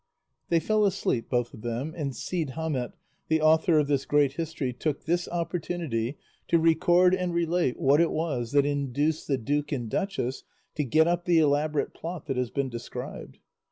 They fell asleep, both of them, and Cide Hamete, the author of this great history, took this opportunity to record and relate what it was that induced the duke and duchess to get up the elaborate plot that has been described.